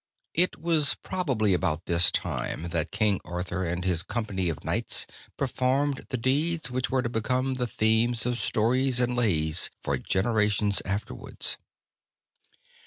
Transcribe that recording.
It was probably about this time that King Arthur and his company of Knights performed the deeds which were to become the themes of stories and lays for generations afterwards.